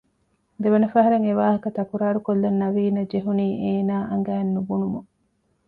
ދެވަނަ ފަހަރަށް އެވާހަކަ ތަކުރާރުކޮއްލަން ނަވީނަށް ޖެހުނީ އޭނާ އަނގައިން ނުބުނުމުން